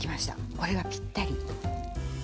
これがぴったり。